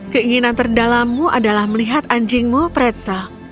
keinginan terdalammu adalah melihat anjingmu fredsa